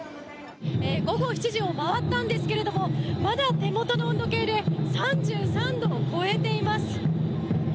午後７時を回ったんですけれどもまだ手元の温度計で３３度を超えています。